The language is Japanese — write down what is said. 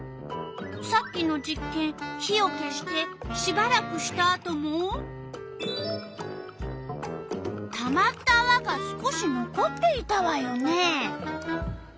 さっきの実験火を消してしばらくしたあともたまったあわが少し残っていたわよね。